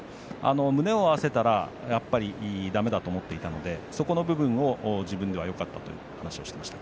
胸を合わせたらやっぱりだめだと思っていたのでそこの部分を自分ではよかったという話をしていました。